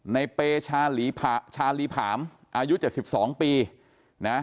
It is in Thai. เปชาลีผามอายุ๗๒ปีนะ